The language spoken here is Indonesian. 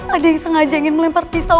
ada yang sengaja ingin melempar pisau